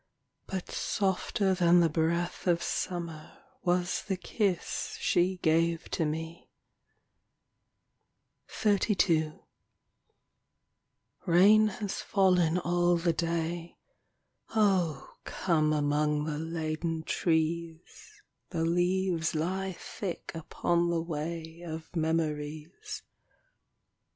— But softer than the breath of summer Was the kiss she gave to me. XXXII Rain has fallen all the day. O come among the laden trees : The leaves lie thick upon the way Of memories.